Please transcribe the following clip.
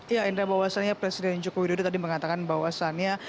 ya indra bahwasannya presiden joko widodo tadi mengatakan bahwasannya